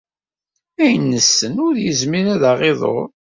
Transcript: Ayen nessen ur yezmir ad aɣ-iḍurr.